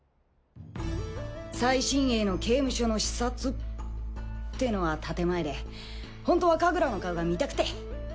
最新鋭の刑務所の視察。ってのは建前で本当はかぐらの顔が見たくて。